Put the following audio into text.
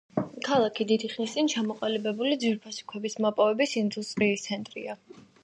ქალაქი დიდი ხნის წინ ჩამოყალიბებული ძვირფასი ქვების მოპოვების ინდუსტრიის ცენტრია.